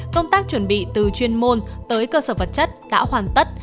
công tác chuẩn bị từ chuyên môn tới cơ sở vật chất đã hoàn tất